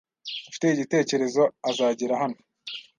Ufite igitekerezo azagera hano?